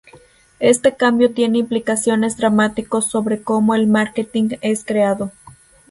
Este cambio tiene implicaciones dramáticos sobre como el marketing es creado.